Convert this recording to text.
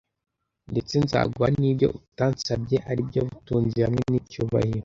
Ndetse nzaguha n’ibyo utansabye ari byo butunzi hamwe n’icyubahiro